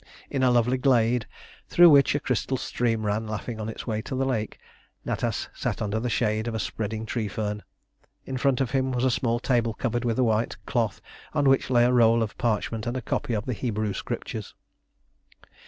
In a lovely glade, through which a crystal stream ran laughing on its way to the lake, Natas sat under the shade of a spreading tree fern. In front of him was a small table covered with a white cloth, on which lay a roll of parchment and a copy of the Hebrew Scriptures.